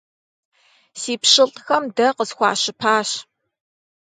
Си пщылӀхэм дэ къысхуащыпащ!